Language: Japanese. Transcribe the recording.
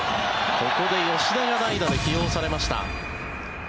ここで吉田が代打で起用されました。